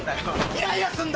イライラすんだよ！